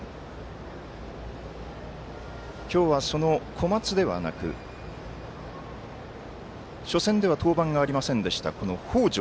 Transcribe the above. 今日は、その小松ではなく初戦では登板がありませんでした、北條。